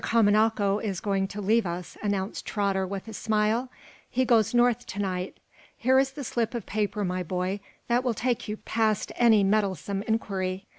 Kamanako is going to leave us," announced Trotter, with a smile. "He goes north to night. Here is the slip of paper, my boy, that will take you past any meddlesome inquiry.